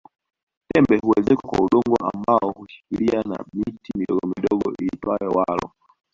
Tembe huezekwa kwa udongo ambao hushikiliwa na miti midogomidogo iitwayo walo